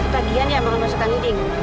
ketagihan ya mau masukkan ngiding